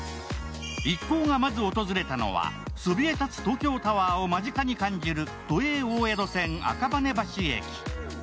一行がまず訪れたのは、そびえ立つ東京タワーを間近に感じる都営大江戸線・赤羽橋駅。